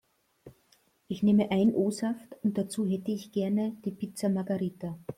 Ich nehme ein O-Saft und dazu hätte ich gerne die Pizza Margarita.